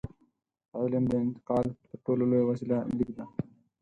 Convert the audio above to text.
د علم د انتقال تر ټولو لویه وسیله لیک ده.